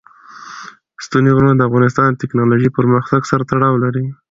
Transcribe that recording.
ستوني غرونه د افغانستان د تکنالوژۍ پرمختګ سره تړاو لري.